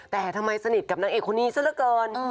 แต่ทำไมสนิทกับนางเอกคนนี้ซะละเกิน